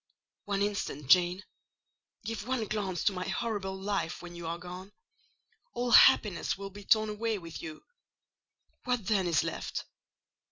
"One instant, Jane. Give one glance to my horrible life when you are gone. All happiness will be torn away with you. What then is left?